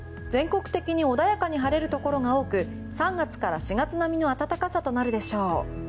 全国的に穏やかに晴れるところが多く３月から４月並みの暖かさとなるでしょう。